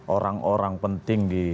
orang orang penting di